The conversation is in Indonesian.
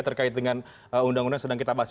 terkait dengan undang undang yang sedang kita bahas